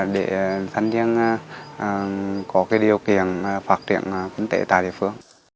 để thanh gian có điều kiện phát triển kinh tế tại địa phương